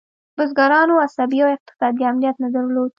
بزګرانو عصبي او اقتصادي امنیت نه درلود.